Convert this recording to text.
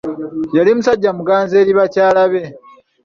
Yali musajja muganzi eri bakyala be.